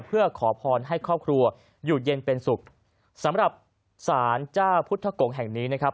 เพื่อขอพรให้ครอบครัวอยู่เย็นเป็นสุขสำหรับสารเจ้าพุทธกงแห่งนี้นะครับ